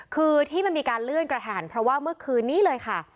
คือที่มันมีการเลื่อนกระทันเพราะว่าเมื่อคืนนี้เลยค่ะ